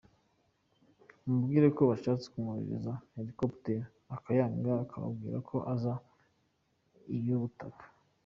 Ambwira ko bashatse kumwoherereza hélicoptère akayanga, akababwira ko aza iy’ubutaka.